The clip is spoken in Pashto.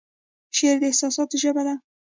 شعر د احساساتو ژبه ده